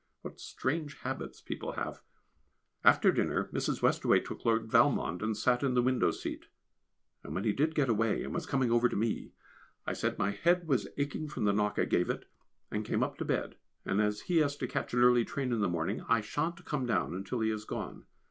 What strange habits people have! After dinner Mrs. Westaway took Lord Valmond and sat in the window seat, and when he did get away, and was coming over to me, I said my head was aching from the knock I gave it, and came up to bed, and as he has to catch an early train in the morning I shan't come down until he has gone.